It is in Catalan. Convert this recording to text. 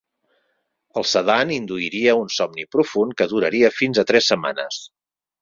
El sedant induiria un somni profund que duraria fins a tres setmanes.